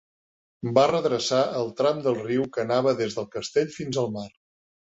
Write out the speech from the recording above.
Va redreçar el tram del riu que anava des del castell fins al mar.